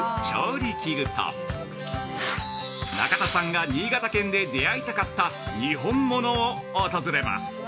調理器具」と中田さんが新潟県で出会いたかった「にほんもの」を訪れます！